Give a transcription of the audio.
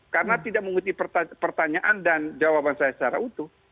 karena tidak mengutip pertanyaan dan jawaban saya secara utuh